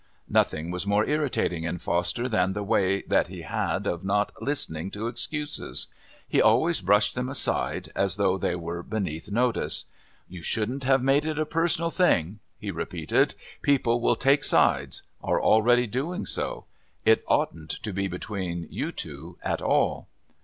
Nothing was more irritating in Foster than the way that he had of not listening to excuses; he always brushed them aside as though they were beneath notice. "You shouldn't have made it a personal thing," he repeated. "People will take sides are already doing so. It oughtn't to be between you two at all."